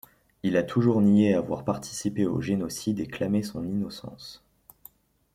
Il a toujours nié avoir participé au génocide et clamé son innocence.